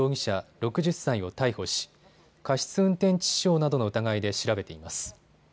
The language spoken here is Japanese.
６０歳を逮捕し過失運転致死傷などの疑いで調べています。